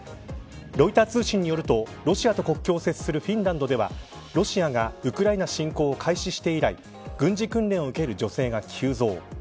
ロイター通信によるとロシアと国境を接するフィンランドではロシアがウクライナ侵攻を開始して以来軍事訓練を受ける女性が急増。